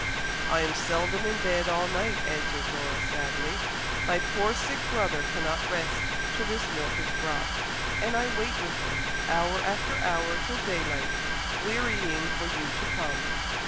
"I am seldom in bed all night," answered Laura, sadly. "My poor sick brother cannot rest till this milk is brought, and I wait with him, hour after hour till daylight, wearying for you to come."